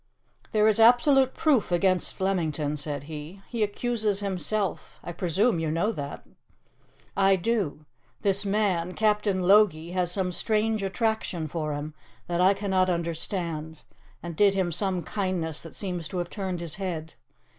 "There is absolute proof against Flemington," said he. "He accuses himself. I presume you know that." "I do. This man Captain Logie has some strange attraction for him that I cannot understand, and did him some kindness that seems to have turned his head.